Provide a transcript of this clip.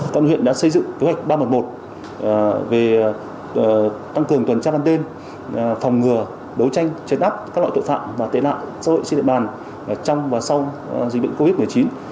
công an huyện đã xây dựng kế hoạch ba trăm một mươi một về tăng cường tuần tra ban đêm phòng ngừa đấu tranh phòng ngừa